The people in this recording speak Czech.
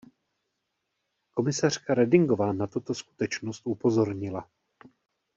Komisařka Redingová na tuto skutečnost upozornila.